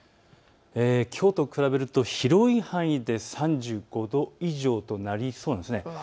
きょうと比べると広い範囲で３５度以上となりそうなんです。